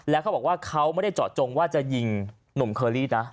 แล้วเขาบอกว่าเขาไม่ได้เจาะจงว่าจะยิงหนุ่มเคอรี่นะ